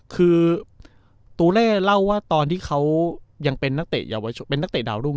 คือตูเล่เล่าว่าตอนที่เขายังเป็นนักเตะเยาวชนเป็นนักเตะดาวรุ่ง